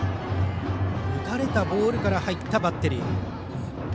打たれたボールから入ったバッテリー。